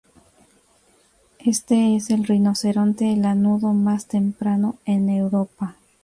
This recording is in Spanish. Este es el rinoceronte lanudo más temprano en Europa.